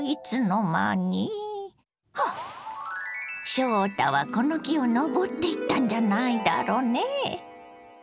翔太はこの木を登っていったんじゃないだろねぇ。